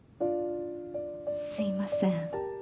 すいません。